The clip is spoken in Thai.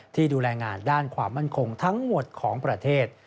ที่ดูแลงานด้านความมั่นคงทั้งหมดของประเทศ